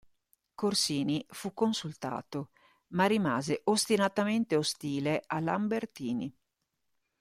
Corsini fu consultato, ma rimase ostinatamente ostile a Lambertini.